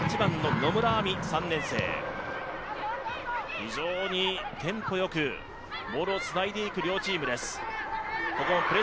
非常にテンポよく、ボールをつないでいく両チームです。